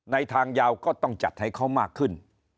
ทางยาวก็ต้องจัดให้เขามากขึ้น